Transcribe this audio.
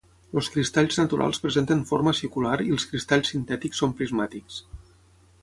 Els cristalls naturals presenten forma acicular i els cristalls sintètics són prismàtics.